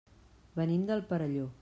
Venim del Perelló.